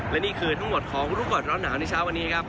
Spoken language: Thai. และนี่คือทั้งหมดของรู้ก่อนร้อนหนาวในเช้าวันนี้ครับ